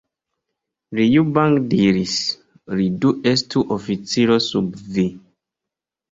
Liu Bang diris, Li do estu oficiro sub vi.